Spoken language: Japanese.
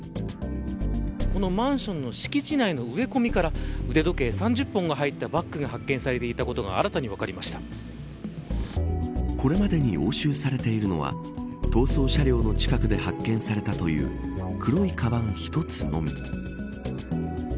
このマンションの敷地内の植え込みから腕時計３０本が入ったバッグが発見されていたことがこれまでに押収されているのは逃走車両の近くで発見されたという黒いかばん１つのみ。